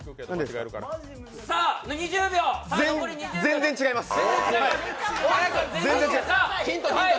全然違います。